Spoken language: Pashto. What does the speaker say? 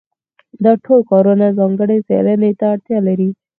دا ټول کارونه ځانګړې څېړنې ته اړتیا لري.